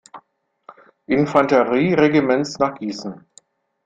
Infanterie-Regiments nach Gießen.